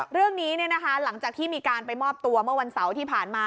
เรื่องนี้หลังจากที่มีการไปมอบตัวเมื่อวันเสาร์ที่ผ่านมา